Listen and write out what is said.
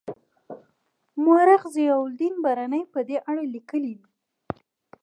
مورخ ضیاالدین برني په دې اړه لیکلي دي.